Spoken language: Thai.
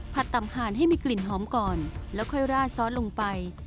ตำหารให้มีกลิ่นหอมก่อนแล้วค่อยราดซอสลงไป